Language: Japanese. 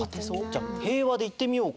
じゃあへいわでいってみようか。